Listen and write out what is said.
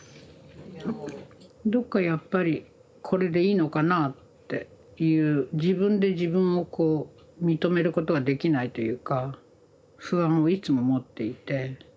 どっかやっぱりこれでいいのかなあっていう自分で自分をこう認めることができないというか不安をいつも持っていて。